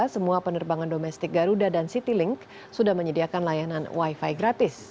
semua penerbangan domestik garuda dan citylink sudah menyediakan layanan wifi gratis